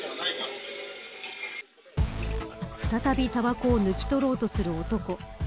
再び、たばこを抜き取ろうとする男。